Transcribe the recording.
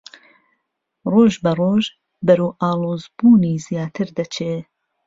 ڕۆژبەڕۆژ بەرەو ئاڵۆزبوونی زیاتر دەچێ